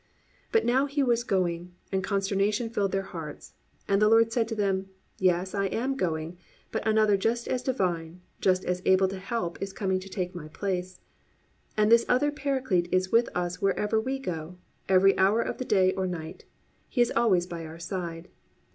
But now He was going, and consternation filled their hearts, and the Lord said to them, "Yes, I am going but another just as divine, just as able to help, is coming to take my place," and this other Paraclete is with us wherever we go, every hour of the day or night. He is always by our side.